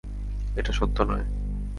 এটা সত্য নয়!